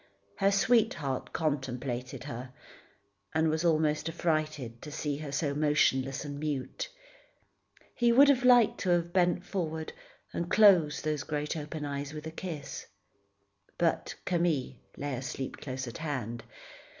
Her sweetheart contemplated her, and was almost affrighted to see her so motionless and mute. He would have liked to have bent forward, and closed those great open eyes with a kiss. But Camille lay asleep close at hand.